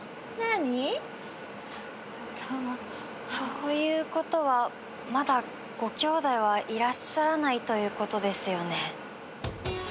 何？ということはまだごきょうだいはいらっしゃらないということですよね？